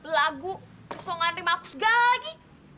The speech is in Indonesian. lagu kesongan rimaku segala lagi